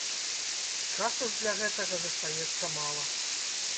Часу ж для гэтага застаецца мала.